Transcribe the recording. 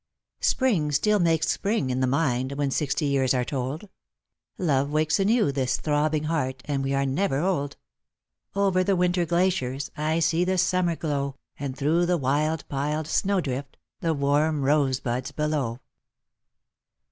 " Spring still makes spring in the mind When sixty years are told ; Love wakes anew this throbbing heart, And we are never old. Over the winter glaciers I see the summer glow, \na. through the wild piled snowdrift The warm rose buds below."